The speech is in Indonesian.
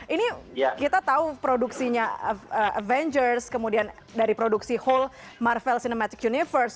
ini kita tahu produksinya avengers kemudian dari produksi whole marvel cinematic universe